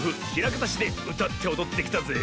たしでうたっておどってきたぜえ